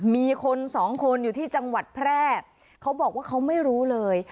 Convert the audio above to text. มีคนสองคนอยู่ที่จังหวัดแพร่เขาบอกว่าเขาไม่รู้เลย